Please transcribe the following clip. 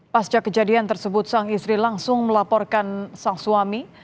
pasca kejadian tersebut sang istri langsung melaporkan sang suami